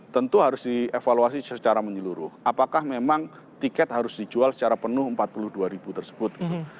tentu harus dievaluasi secara menyeluruh apakah memang tiket harus dijual secara penuh empat puluh dua ribu tersebut gitu